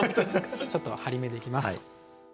ちょっと張りめでいきます。